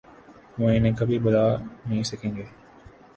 وہ انہیں کبھی بھلا نہیں سکیں گے۔